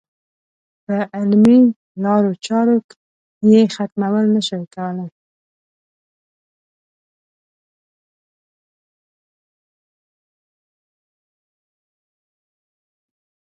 په علمي لارو چارو یې ختمول نه شوای کولای.